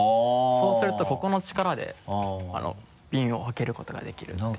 そうするとここの力でビンを開けることができるていう。